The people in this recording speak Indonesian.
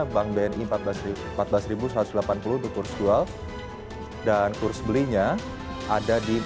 bank bni empat belas satu ratus delapan puluh untuk kurs jual dan kurs belinya ada di empat belas lima ratus dua puluh lima